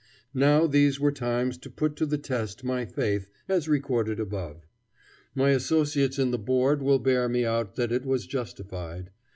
Now these were times to put to the test my faith, as recorded above. My associates in the Board will bear me out that it was justified.